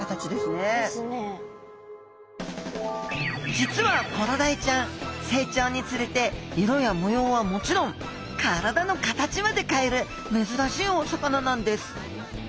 実はコロダイちゃん成長につれて色や模様はもちろん体の形まで変える珍しいお魚なんです。